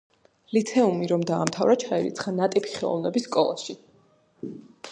ლიცეუმი რომ დაამთავრა ჩაირიცხა „ნატიფი ხელოვნების სკოლაში“.